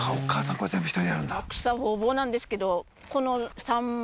これ全部１人でやるんだあっ